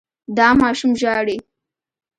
دا ماشوم ژاړي.